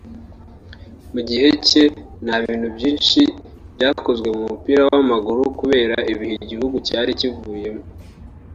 mu gihe cye nta bintu byinshi byakozwe mu mupira w’amaguru kubera ibihe igihugu cyari kivuyemo